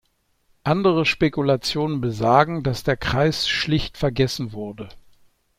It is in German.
Andere Spekulationen besagen, dass der Kreis schlicht vergessen wurde.